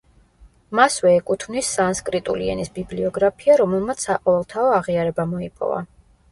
მასვე ეკუთვნის სანსკრიტული ენის ბიბლიოგრაფია, რომელმაც საყოველთაო აღიარება მოიპოვა.